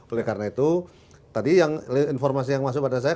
oleh karena itu tadi informasi yang masuk pada saya